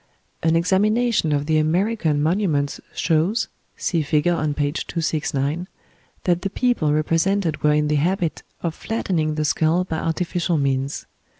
An examination of the American monuments shows (see figure on page 269) that the people represented were in the habit of flattening the skull by artificial means.